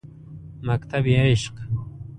مکتبِ عشق